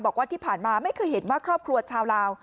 บอกว่าที่ผ่านมาไม่เคยเห็นว่าครอบครัวชาวลาว